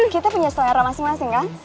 kita punya selera masing masing kan